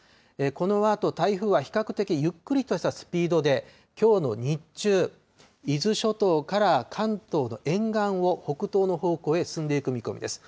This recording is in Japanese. このあと台風は比較的ゆっくりとしたスピードで、きょうの日中、伊豆諸島から関東の沿岸を北東の方向へ進んでいく見込みです。